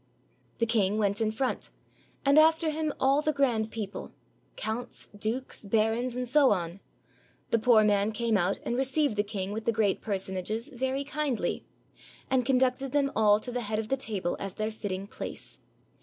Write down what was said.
The king went in front, and after him all the grand people, — counts, dukes, barons, and so on. The poor man came out and received the king with the great per sonages very kindly, and conducted them all to the head of the table as their fitting place.